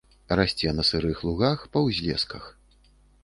Расце на сырых лугах, па ўзлесках.